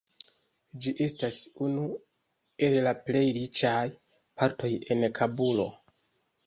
Ĝi estas unu el la plej riĉaj partoj en Kabulo.